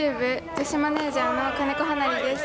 女子マネージャーの金子花理です。